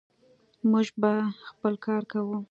موږ به خپل کار کوو.